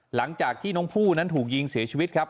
หลังจากที่น้องผู้นั้นถูกยิงเสียชีวิตครับ